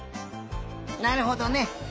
なるほどね！